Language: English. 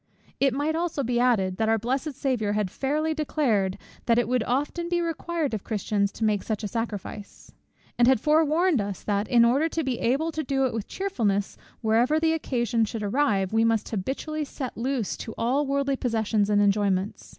It might be added also, that our blessed Saviour had fairly declared, that it would often be required of Christians to make such a sacrifice; and had forewarned us, that, in order to be able to do it with cheerfulness whenever the occasion should arrive, we must habitually sit loose to all worldly possessions and enjoyments.